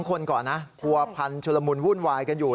คนก่อนนะผัวพันธุลมุนวุ่นวายกันอยู่